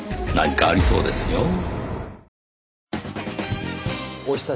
何かありそうですよ。